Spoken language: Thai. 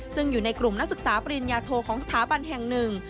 ซึ่งอยู่ในกลุ่มนักศึกษาปริญญาโทของสถาบันแห่งหนึ่ง